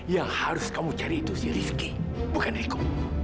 yang harus kamu cari itu si rizky bukan riko